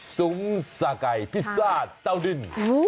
ซุ้มสาไก่พิซซ่าเต้าดิน